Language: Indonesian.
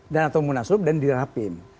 dan atau munasup dan di rapim